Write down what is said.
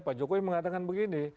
pak jokowi mengatakan begini